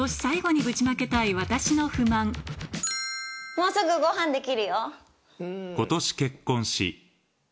もうすぐごはんできるよ。